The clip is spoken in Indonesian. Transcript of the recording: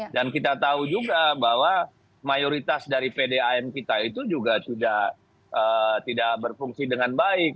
dan kita tahu juga bahwa mayoritas dari pdam kita itu juga sudah tidak berfungsi dengan baik